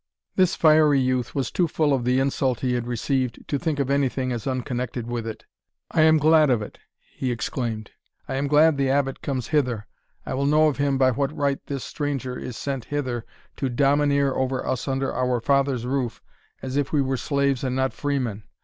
This fiery youth was too full of the insult he had received to think of anything as unconnected with it. "I am glad of it," he exclaimed; "I am glad the Abbot comes hither. I will know of him by what right this stranger is sent hither to domineer over us under our father's roof, as if we were slaves and not freemen.